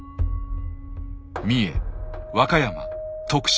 三重和歌山徳島